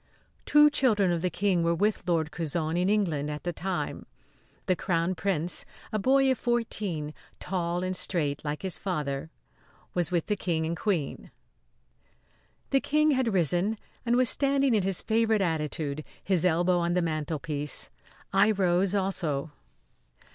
Two children of the King were with Lord Curzon, in England, at the time. The Crown Prince, a boy of fourteen, tall and straight like his father, was with the King and Queen. The King had risen and was standing in his favourite attitude, his elbow on the mantelpiece. I rose also.